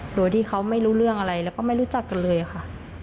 โดยที่เขาไม่รู้เรื่องอะไรแล้วก็ไม่รู้จักกันเลยค่ะ